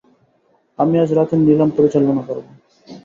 আমি আজ রাতের নিলাম পরিচালনা করব।